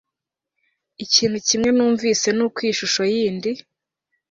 ikintu kimwe numvise nuko iyi shusho yindi